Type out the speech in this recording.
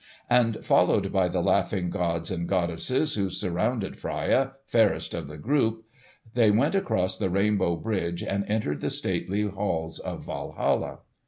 And followed by the laughing gods and goddesses, who surrounded Freia, fairest of the group, they went across the rainbow bridge and entered the stately halls of Walhalla.